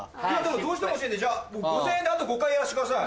どうしても欲しいんでじゃあ５０００円であと５回やらしてください。